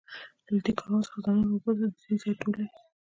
له دې کاروان څخه ځانونه وباسو، د دې ځای ټولې.